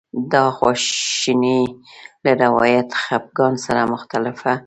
دا خواشیني له روایتي خپګان سره مختلفه وه.